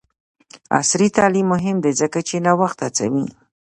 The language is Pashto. عصري تعلیم مهم دی ځکه چې نوښت هڅوي.